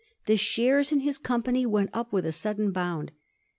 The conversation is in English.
The shares in his company went up with a sudden bound.